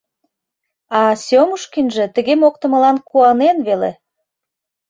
А Сёмушкинже тыге моктымылан куанен веле.